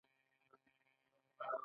د بوټانو او کمیس د تولید وخت برابر دی.